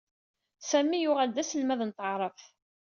Sami yuɣal d aselmad n taɛṛabt.